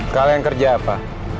kalian kerja apa